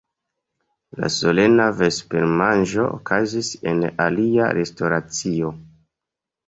La solena vespermanĝo okazis en alia restoracio.